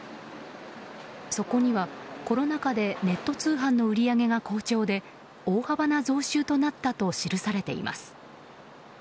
そこにはコロナ禍でネット通販の売り上げが好調で大幅な増収となったと記されています。